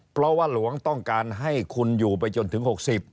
เพราะว่าหลวงต้องการให้คุณอยู่ไปจนถึง๖๐